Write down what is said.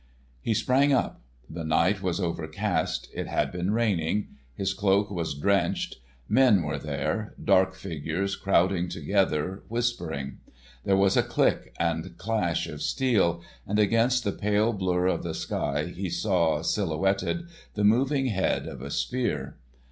He sprang up. The night was overcast; it had been raining; his cloak was drenched. Men were there; dark figures crowding together, whispering. There was a click and clash of steel, and against the pale blur of the sky, he saw, silhouetted, the moving head of a spear.